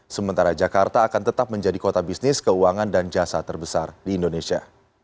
sementara jakarta akan tetap menjadi kota bisnis keuangan dan jasa terbesar di indonesia